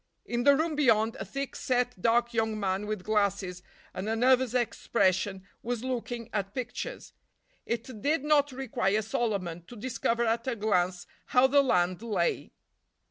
In the room beyond, a thick set, dark young man with glasses and a nervous expression was looking at pictures. It did not require a Solomon to discover at a glance how the land lay.